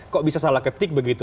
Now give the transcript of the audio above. kok bisa salah ketik begitu